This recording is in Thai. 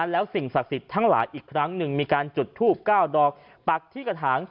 แล้วสิ่งศักดิ์สิทธิ์ทั้งหลายอีกครั้งหนึ่งมีการจุดทูบ๙ดอกปักที่กระถาง